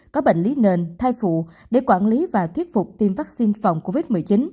có bệnh lý nền thai phụ để quản lý và thuyết phục tiêm vaccine phòng covid một mươi chín